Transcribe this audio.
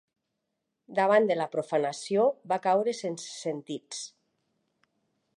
Davant de la profanació va caure sense sentits